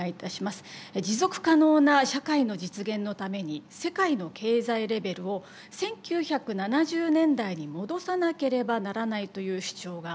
持続可能な社会の実現のために世界の経済レベルを１９７０年代に戻さなければならないという主張があります。